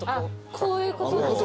こういうことか。